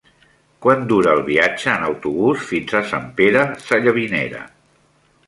Quant dura el viatge en autobús fins a Sant Pere Sallavinera?